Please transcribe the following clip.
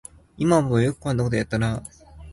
いま思えばよくこんなことやってたよなあ